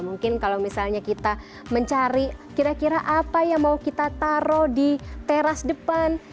mungkin kalau misalnya kita mencari kira kira apa yang mau kita taruh di teras depan